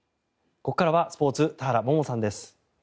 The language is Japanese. ここからはスポーツ田原萌々さんです。